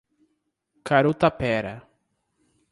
Carutapera